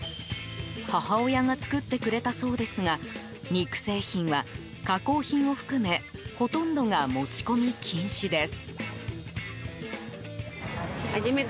母親が作ってくれたそうですが肉製品は、加工品を含めほとんどが持ち込み禁止です。